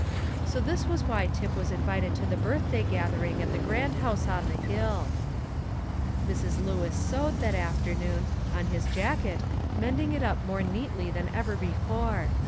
So this was why Tip was invited to the birthday gathering at the grand house on the hill. Mrs. Lewis sewed, that afternoon, on his jacket, mending it up more neatly than ever before.